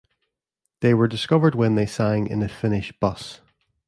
They were discovered when they sang in a Finnish bus.